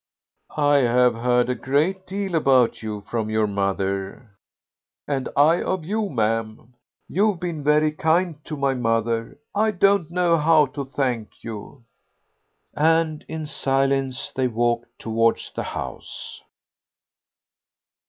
"I have heard a great deal about you from your mother." "And I of you, ma'am. You've been very kind to my mother. I don't know how to thank you." And in silence they walked towards the house.